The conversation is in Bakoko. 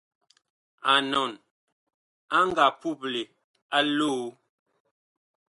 Anɔn ag nga puple a loo.